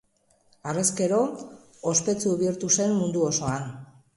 Harrezkero, ospetsu bihurtu zen mundu osoan.